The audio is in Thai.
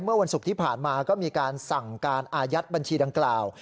เมื่อวันศุกร์ที่ผ่านมาก็มีการสั่งการอายัดบัญชีดังกล่าว